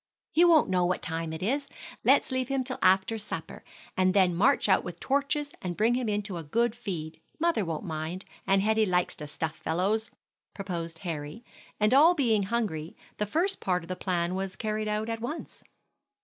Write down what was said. "He won't know what time it is; let's leave him till after supper, and then march out with torches and bring him in to a good feed. Mother won't mind, and Hetty likes to stuff fellows," proposed Harry, and all being hungry, the first part of the plan was carried out at once.